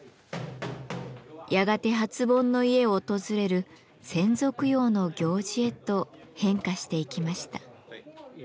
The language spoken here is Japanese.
やがて初盆の家を訪れる先祖供養の行事へと変化していきました。